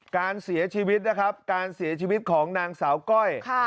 การเสียชีวิตนะครับการเสียชีวิตของนางสาวก้อย